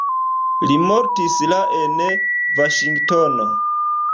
Li mortis la en Vaŝingtono.